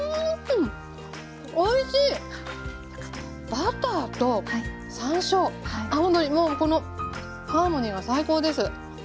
バターと山椒青のりもうこのハーモニーが最高です。